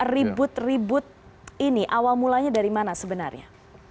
ribut ribut ini awal mulanya dari mana sebenarnya